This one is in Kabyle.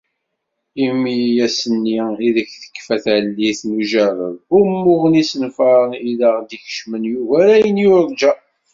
Imi ass-nni ideg tekfa tallit n ujerred, umuɣ n yisenfaren i d aɣ-d-ikecmen yugar ayen nurǧa.